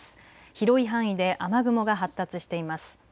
広い範囲で雨雲が発達しています。